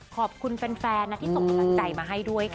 ขอบคุณแฟนนะที่ส่งกำลังใจมาให้ด้วยค่ะ